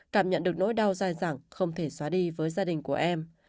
cảm nhận được nỗi đau dài dẳng không thể xóa đi với gia đình của em